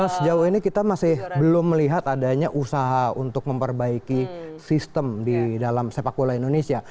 sejauh ini kita masih belum melihat adanya usaha untuk memperbaiki sistem di dalam sepak bola indonesia